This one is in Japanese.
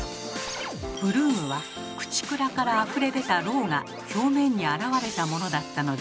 ブルームはクチクラからあふれ出たろうが表面に現れたものだったのです。